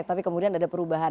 tapi kemudian ada perubahan